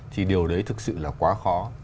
thì điều đấy thực sự là quá khó